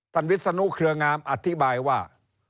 วิศนุเครืองามอธิบายว่า